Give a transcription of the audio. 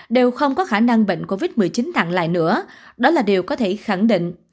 đều không có khả năng bệnh covid một mươi chín nặng lại nữa đó là điều có thể khẳng định